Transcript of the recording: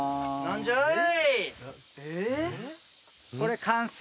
何じゃい？